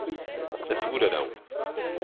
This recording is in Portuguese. assegurarão